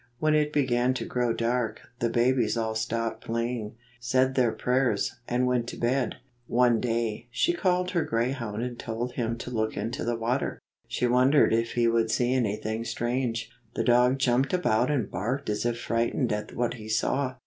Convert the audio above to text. When it began to grow dark, the babies all stopped playing, said their prayers, and went to bed. One day, she called her greyhound and told him to look into the water. She wondered if he would see anything strange. The dog jumped about and barked as if frightened at what he saw.